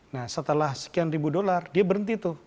nah setelah sekian ribu dolar dia berhenti tuh